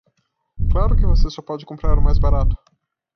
Claro que você só pode comprar o mais barato